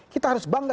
kita harus bangga